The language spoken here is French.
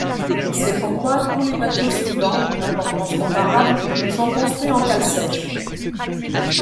C'est pourquoi tous les bateaux suivants d'importance comparable sont construits en cale sèche.